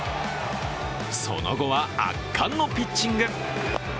その後は、圧巻のピッチング。